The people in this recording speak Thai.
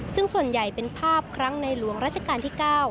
ซึ่งส่วนใหญ่เป็นภาพครั้งในหลวงราชการที่๙